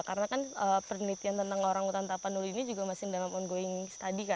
karena kan penelitian tentang orangutan tapanuli ini juga masih dalam ongoing study